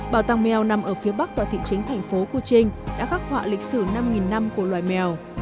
bảo tàng mèo nằm ở phía bắc tòa thị chính thành phố putin đã khắc họa lịch sử năm năm của loài mèo